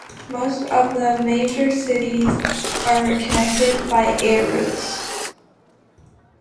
Most of the major cities are connected by air routes.